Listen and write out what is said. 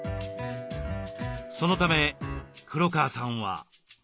そのため黒川さんは。